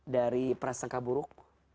dari prasangka buruk